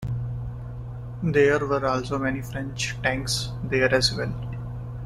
There were also many French tanks there as well.